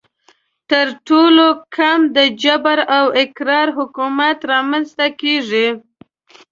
تر ټولو کم د جبر او اکراه حکومت رامنځته کیږي.